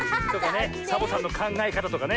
サボさんのかんがえかたとかね。